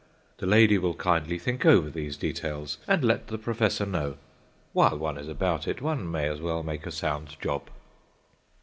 The lady will kindly think over these details and let the professor know. While one is about it, one may as well make a sound job.